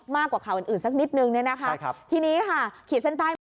มากกว่าข่าวอื่นสักนิดหนึ่งเนี่ยนะคะทีนี้ค่ะขีดเส้นใต้